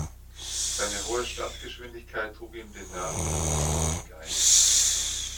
Seine hohe Startgeschwindigkeit trug ihm den Namen „Sputnik“ ein.